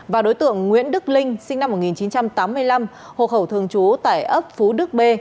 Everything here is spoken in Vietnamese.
và đối tượng nguyễn đức linh sinh năm một nghìn chín trăm tám mươi năm hộ khẩu thường trú tại ấp phú đức b